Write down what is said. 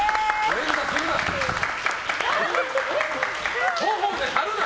連打するな！